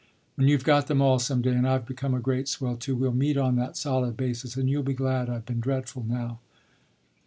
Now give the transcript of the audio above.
When you've got them all, some day, and I've become a great swell too, we'll meet on that solid basis and you'll be glad I've been dreadful now."